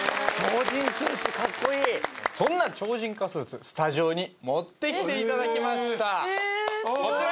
そんな超人化スーツスタジオに持ってきていただきましたえー